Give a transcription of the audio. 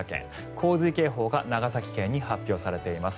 洪水警報が長崎県に発表されています。